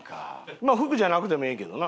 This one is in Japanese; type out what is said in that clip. まあ服じゃなくてもええけどな。